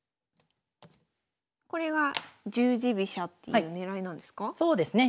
これが十字飛車っていう狙いなんですか？